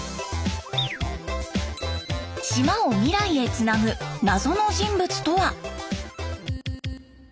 島を未来へつなぐ謎の人物とは？